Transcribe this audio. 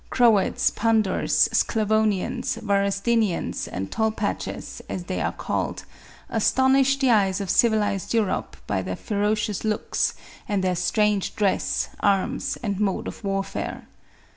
Croats, Pandours, Sclavonians, Waras dinians, and Tolpaches, as they are called, astonished the eyes of civilized Europe by their ferocious looks, and their strange dress, arms, and mode of warfare.